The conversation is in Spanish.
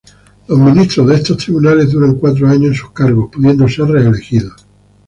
Los ministros de estos tribunales duran cuatro años en sus cargos, pudiendo ser reelegidos.